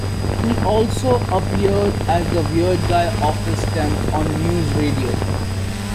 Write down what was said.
He also appeared as the "weird guy" office temp on "NewsRadio".